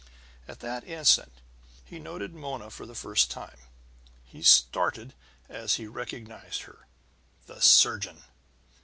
At that instant he noted Mona for the first time. He started as he recognized her. "The surgeon!"